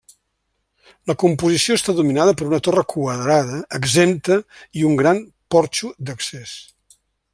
La composició està dominada per una torre quadrada exempta i un gran porxo d'accés.